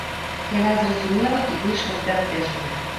Яна зразумела і выйшла, збянтэжаная.